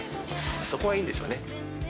そこがいいんでしょうね。